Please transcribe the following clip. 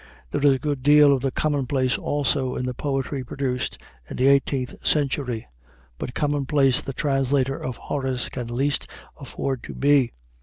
There is a good deal of the commonplace also in the poetry produced in the eighteenth century; but commonplace the translator of Horace can least afford to be.